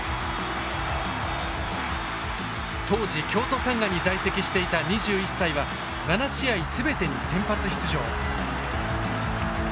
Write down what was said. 当時京都サンガに在籍していた２１歳は７試合全てに先発出場。